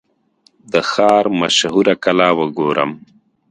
د ښار مشهوره کلا وګورم.